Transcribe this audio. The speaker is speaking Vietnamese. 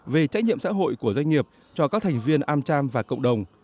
về trách nhiệm xã hội của doanh nghiệp cho các thành viên amcham và cộng đồng